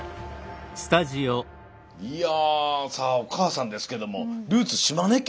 いやぁさあお母さんですけどもルーツ島根県！